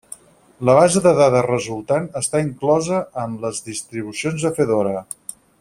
La base de dades resultant està inclosa en les distribucions de Fedora.